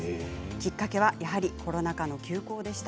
きっかけはやはりコロナ禍の休校でした。